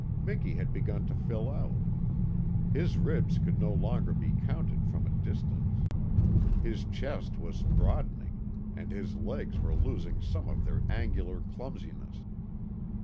Miki had begun to fill out. His ribs could no longer be counted from a distance. His chest was broadening and his legs were losing some of their angular clumsiness.